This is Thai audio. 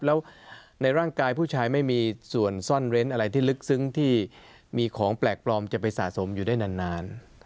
แล้วในร่างกายผู้ชายไม่มีส่วนซ่อนเร้นอะไรที่ลึกซึ้งที่มีของแปลกปลอมจะไปสะสมอยู่ได้นาน